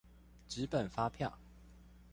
紙本發票